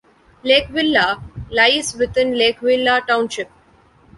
Lake Villa lies within Lake Villa Township.